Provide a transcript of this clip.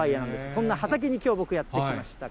そんな畑にきょうは僕、やって来ました。